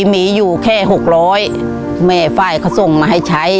มีอยู่แค่๖๐๐แม่ไฟล์เขาส่งมาให้ใช้